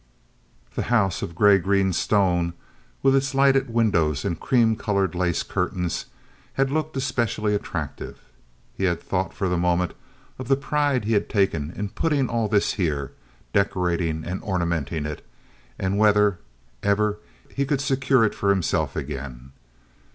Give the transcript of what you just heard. The house of gray green stone, with its lighted windows, and cream colored lace curtains, had looked especially attractive. He had thought for the moment of the pride he had taken in putting all this here, decorating and ornamenting it, and whether, ever, he could secure it for himself again.